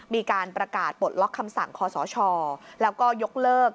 มีการประกาศปลดล็อกคำสั่งคอสชแล้วก็ยกเลิก